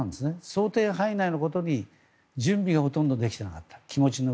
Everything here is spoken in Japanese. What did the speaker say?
想定範囲内のことに気持ちのうえでも準備がほとんどできていなかった。